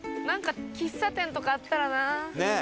なんか喫茶店とかあったらな。